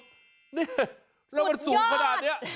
อันนี้มันสุดขนาดนี้